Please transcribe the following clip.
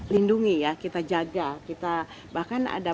lindungi ya kita jaga kita bahkan ada